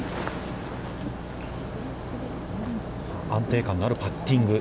安定感のあるパッティング。